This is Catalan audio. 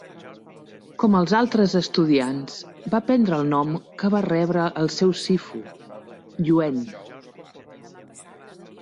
Com els altres estudiants, va prendre el nom que va rebre el seu sifu: "Yuen".